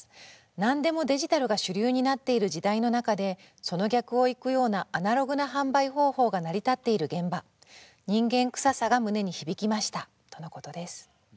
「何でもデジタルが主流になっている時代の中でその逆をいくようなアナログな販売方法が成り立っている現場人間くささが胸に響きました」とのことです。